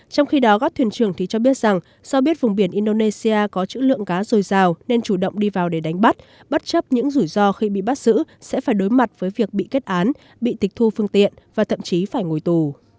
trong khi đó các thuyền trưởng cho biết rằng do biết vùng biển indonesia có chữ lượng cá dồi dào nên chủ động đi vào để đánh bắt bất chấp những rủi ro khi bị bắt giữ sẽ phải đối mặt với việc bị kết án bị tịch thu phương tiện và thậm chí phải ngồi tù